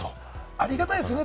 ありがたいですよね。